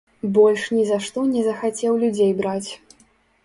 Больш нізашто не захацеў людзей браць.